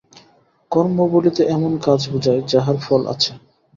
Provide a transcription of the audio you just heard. কর্ম বলিতে এমন কাজ বুঝায়, যাহার ফল আছে।